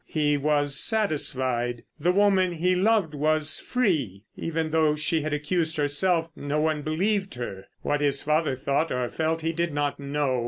He was satisfied. The woman he loved was free! Even though she had accused herself no one believed her. What his father thought or felt he did not know.